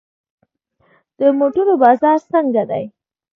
د موټرو بازار څنګه دی؟